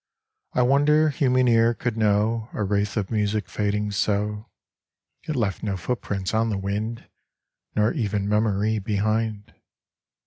I wonder human ear could know A wraith of music fading so, It left no footprints on the wind Nor even memory behind.